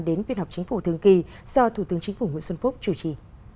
đến phiên họp chính phủ thường kỳ do thủ tướng chính phủ nguyễn xuân phúc chủ trì